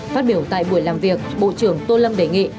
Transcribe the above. phát biểu tại buổi làm việc bộ trưởng tô lâm đề nghị